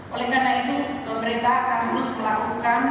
oleh karena itu pemerintah akan terus melakukan membagi kebijakan